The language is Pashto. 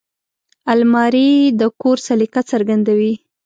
الماري د کور سلیقه څرګندوي